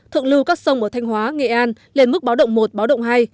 thượng lưu các sông ở thanh hóa nghệ an lên mức báo động một báo động hai